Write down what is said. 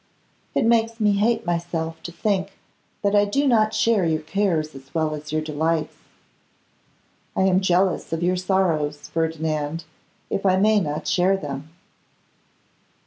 It makes me hate myself to think that I do not share your cares as well as your delights. I am jealous of your sorrows, Ferdinand, if I may not share them.